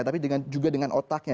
tapi juga dengan otaknya